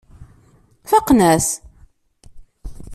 Faqen-as.